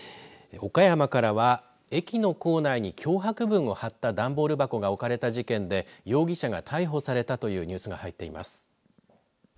岡山からは駅の構内に脅迫文を貼った段ボール箱が置かれた事件で容疑者が逮捕されたというニュースが入っています。